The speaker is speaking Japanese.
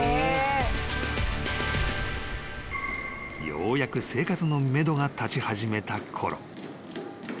［ようやく生活のめどが立ち始めたころ］